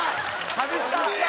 「外した」